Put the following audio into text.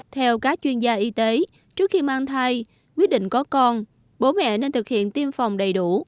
theo các chuyên gia y tế trước khi mang thai quyết định có con bố mẹ nên thực hiện tiêm phòng đầy đủ